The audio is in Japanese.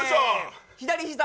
左膝。